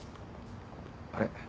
あれ？